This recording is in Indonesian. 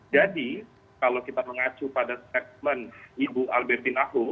jadi kalau kita mengacu pada statement ibu albertin ahu